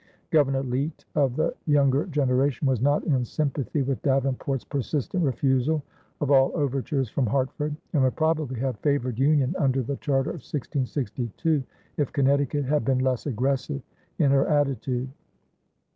Governor Leete, of the younger generation, was not in sympathy with Davenport's persistent refusal of all overtures from Hartford, and would probably have favored union under the charter of 1662 if Connecticut had been less aggressive in her attitude.